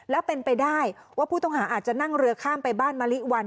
แล้วเป็นไปได้ว่าผู้ต้องหาอาจจะนั่งเรือข้ามไปบ้านมะลิวัน